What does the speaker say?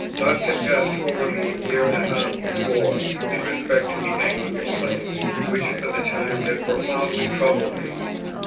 Thoughts had passed over me a year and a half before in respect to the Anglican claims, which for the time had profoundly troubled me.